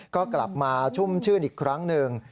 ก็กลับมาชุ่มชื่นอีกครั้งหนึ่ง